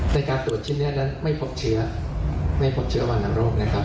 ในการตรวจชิ้นเนื้อนั้นไม่พบเชื้อไม่พบเชื้อวรรณโรคนะครับ